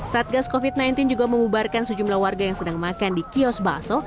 satgas covid sembilan belas juga mengubarkan sejumlah warga yang sedang makan di kios bakso